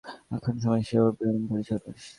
একসময় সে ওর প্রেমে পড়েছিল।